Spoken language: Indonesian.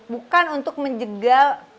bukan untuk menjegal